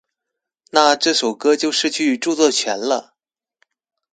那這首歌就失去著作權了